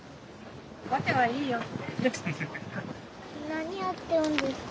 「なにやってるんですか？」